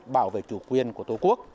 bảo vệ chủ quyền của tổ quốc